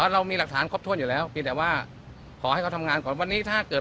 เรามีหลักฐานครบถ้วนอยู่แล้วเพียงแต่ว่าขอให้เขาทำงานก่อนวันนี้ถ้าเกิด